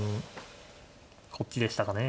こっちでしたかね。